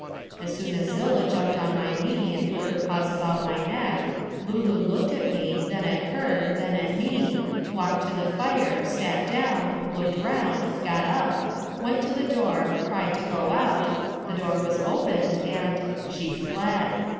As soon as Zillah jumped on my knee and put her paws about my neck, Lulu looked at me, then at her, then at me, walked to the fire, sat down, looked round, got up, went to the door, cried to go out, the door was opened, and she fled.